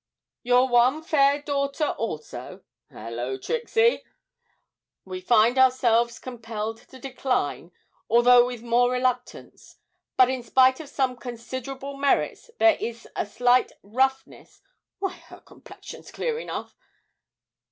'Your one fair daughter also (hullo, Trixie!) we find ourselves compelled to decline, although with more reluctance; but, in spite of some considerable merits, there is a slight roughness (why, her complexion's clear enough!)